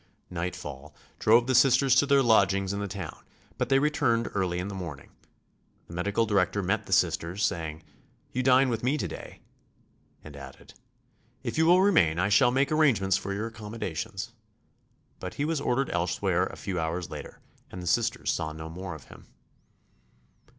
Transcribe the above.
Nightfall drove the Sisters to their lodgings in the town, but they returned early in the morning. The medical director met the Sisters, saying: "You dine with me to day," and added: "If you will remain I shall make arrangements for your accommodations." But he was ordered elsewhere a few hours later and the Sisters saw no more of him.